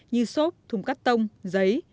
như sốt thùng cắt tông giấy